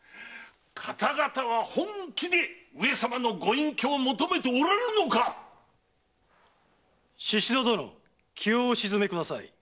方々は本気で上様のご隠居を求めておられるのか⁉宍戸殿気をお静めください。